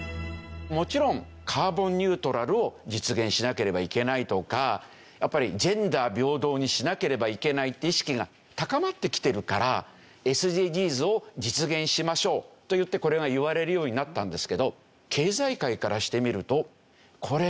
もちろんカーボンニュートラルを実現しなければいけないとかやっぱりジェンダー平等にしなければいけないって意識が高まってきてるからＳＤＧｓを実現しましょうといってこれが言われるようになったんですけど。